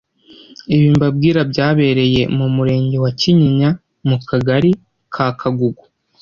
ibi mbabwira byabereye mu murenge wa kinyinya mu kagari ka kagugu